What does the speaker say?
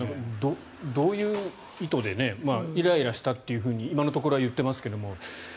どういう意図でイライラしたというふうに今のところは言っていますけど。